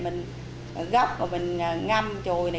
mình góc rồi mình ngâm chùi này